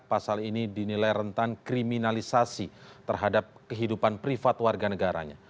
pasal ini dinilai rentan kriminalisasi terhadap kehidupan privat warga negaranya